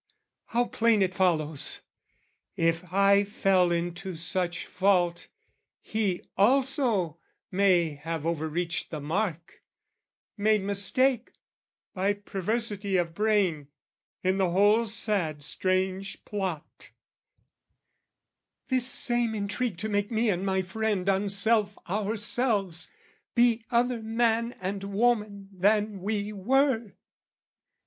How plain It follows, if I fell into such fault, He also may have overreached the mark, Made mistake, by perversity of brain, In the whole sad strange plot, this same intrigue To make me and my friend unself ourselves, Be other man and woman than we were!